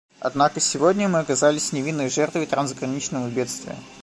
Однако сегодня мы оказались невинной жертвой трансграничного бедствия.